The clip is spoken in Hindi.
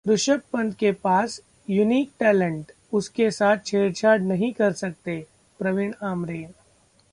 ऋषभ पंत के पास यूनिक टैलेंट, उसके साथ छेड़छाड़ नहीं कर सकते: प्रवीण आमरे